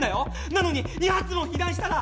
なのに２発も被弾したら。